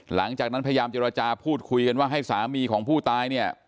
หลังจากนั้นพยายามเจรจาพูดคุยกันว่าให้สามีของผู้ตายเนี่ย